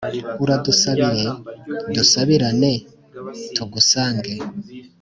Uradusabire dusubirane tugusange